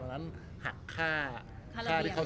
รูปนั้นผมก็เป็นคนถ่ายเองเคลียร์กับเรา